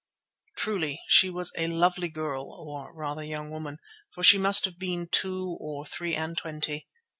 Truly she was a lovely girl, or rather, young woman, for she must have been two or three and twenty.